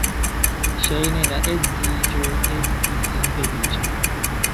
Ŝajne la edziĝo estis feliĉa.